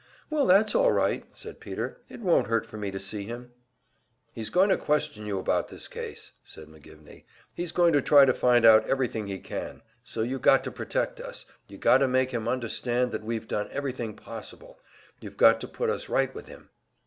"Well, that's all right," said Peter; "it won't hurt for me to see him." "He's going to question you about this case," said McGivney. "He's going to try to find out everything he can. So you got to protect us; you got to make him understand that we've done everything possible. You got to put us right with him."